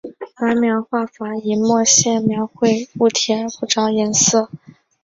白描画法以墨线描绘物体而不着颜色。